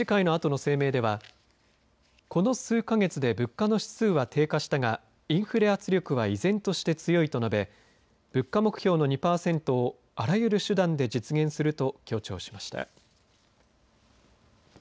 理事会のあとの声明ではこの数か月で物価の指数は低下したがインフレ圧力は依然として強いと述べ物価目標の２パーセントをあらゆる手段で実現すると強調しました。